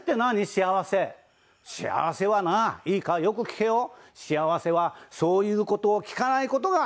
幸せ」「幸せはないいかよく聞けよ」「幸せはそういう事を聞かない事が幸せだ」